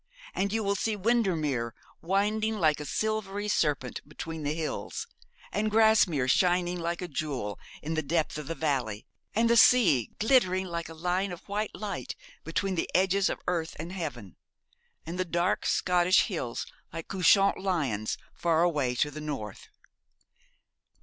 'And you will see Windermere winding like a silvery serpent between the hills, and Grasmere shining like a jewel in the depth of the valley, and the sea glittering like a line of white light between the edges of earth and heaven, and the dark Scotch hills like couchant lions far away to the north.'